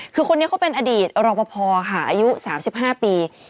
คือคนนี้เขาเป็นอดีตรอบประพาวครับอายุ๓๕ปี